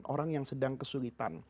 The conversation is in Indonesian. orang yang sedang kesulitan